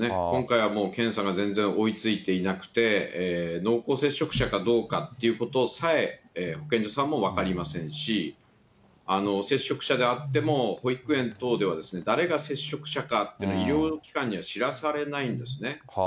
今回はもう検査が全然追いついていなくて、濃厚接触者かどうかということでさえ、保健所さんも分かりませんし、接触者であっても、保育園等では、誰が接触者かっていうのは、医療機関には知らされないんですね。